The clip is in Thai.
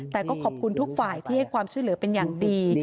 แต่ก็ขอบคุณทุกฝ่ายที่ให้ความช่วยเหลือเป็นอย่างดี